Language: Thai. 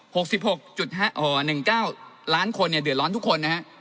หกสิบหกจุดห้าเอ่อหนึ่งเก้าล้านคนเนี่ยเดือดร้อนทุกคนนะฮะ